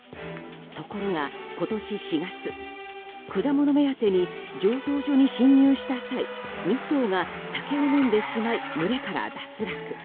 ところが、今年４月果物目当てに醸造所に侵入した際２頭が酒を飲んでしまい群れから脱落。